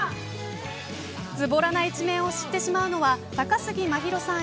ズボラな一面を知ってしまうのは高杉真宙さん